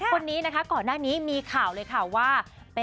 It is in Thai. คนนี้นะคะก่อนหน้านี้มีข่าวเลยค่ะว่า